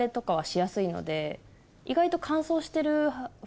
意外と。